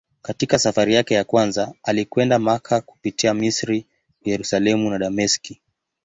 Katika safari yake ya kwanza alikwenda Makka kupitia Misri, Yerusalemu na Dameski.